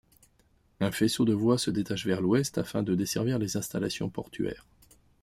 Un faisceau de voies se détache vers l'ouest afin de desservir les installations portuaires.